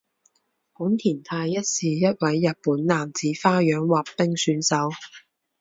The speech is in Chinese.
本田太一是一位日本男子花样滑冰选手。